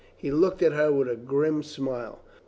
He looked at her with a grim smile.